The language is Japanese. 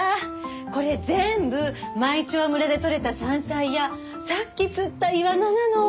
これ全部舞澄村で採れた山菜やさっき釣ったイワナなの。